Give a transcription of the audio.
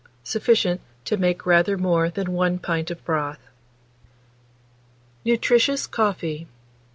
Sufficient to make rather more than 1 pint of broth. NUTRITIOUS COFFEE.